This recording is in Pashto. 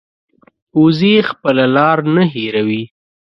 وزې خپله لار نه هېروي